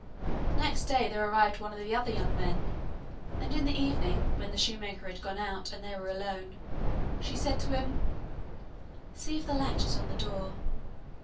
Next day there arrived one of the other young men, and in the evening, when the shoemaker had gone out and they were alone, she said to him, 'See if the latch is on the door.